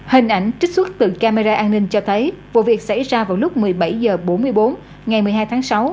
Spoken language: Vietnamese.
hình ảnh trích xuất từ camera an ninh cho thấy vụ việc xảy ra vào lúc một mươi bảy h bốn mươi bốn ngày một mươi hai tháng sáu